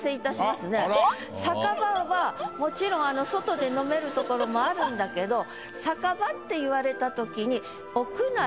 酒場はもちろん外で飲める所もあるんだけど「酒場」って言われたときに。